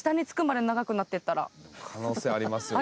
可能性ありますよね。